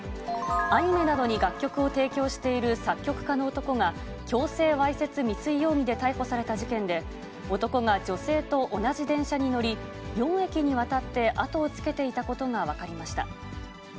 アニメなどに楽曲を提供している作曲家の男が、強制わいせつ未遂容疑で逮捕された事件で、男が女性と同じ電車に乗り、４駅にわたって後をつけていたことが分かりました。